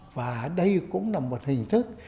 và đây cũng là một hình thức